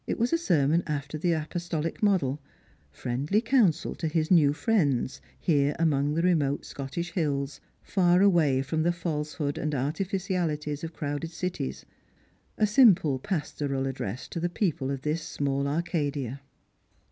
It was a sermon after the apostolic model ; friendly counsel to his new friends, here among remote Scottish hills, far away from the falsehoods and artificialities of crowded cities; a simple pastoral address to the people of this small Arcadia.